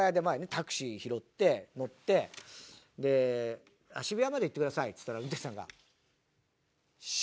タクシー拾って乗って「渋谷まで行ってください」っつったら運転手さんが。